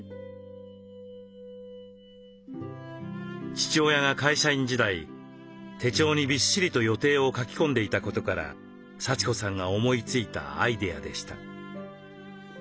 父親が会社員時代手帳にビッシリと予定を書き込んでいたことから幸子さんが思いついたアイデアでした。